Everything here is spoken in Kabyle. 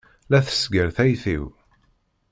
La tesgar tayet-iw.